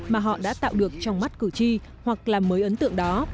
mà họ đã tạo được trong mắt cử tri hoặc làm mới ấn tượng đó